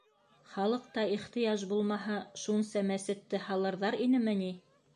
Халыҡта ихтыяж булмаһа, шунса мәсетте һалырҙар инеме ни?